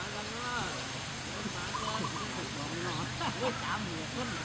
คุณแม่เต้นดีดีคุณแม่คำคุ้น